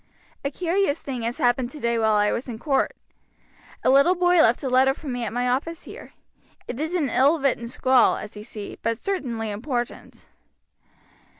A curious thing has happened today while I was in court. A little boy left a letter for me at my office here; it is an ill written scrawl, as you see, but certainly important."